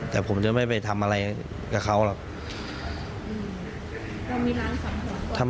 แต่ผมจะไม่ไปทำอะไรกับเขาหรอก